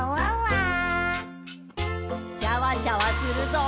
シャワシャワするぞ。